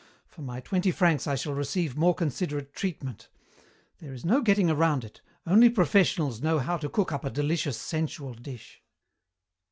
For my twenty francs I shall receive more considerate treatment. There is no getting around it, only professionals know how to cook up a delicious sensual dish.